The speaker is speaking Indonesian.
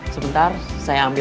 sebentar saya ambil